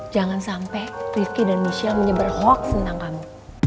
jangan sampe rikki dan michelle menyebar hoax tentang kamu